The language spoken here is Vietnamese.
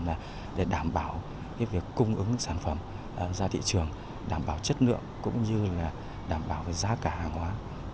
là để đảm bảo việc cung ứng sản phẩm ra thị trường đảm bảo chất lượng cũng như đảm bảo giá cả hàng hóa